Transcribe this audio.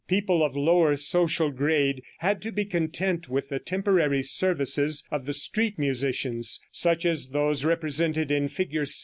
People of lower social grade had to be content with the temporary services of the street musicians, such as those represented in Fig.